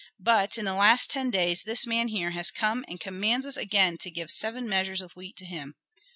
But in the last ten days this man here has come and commands us again to give seven measures of wheat to him.